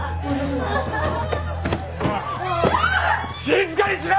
静かにしろ！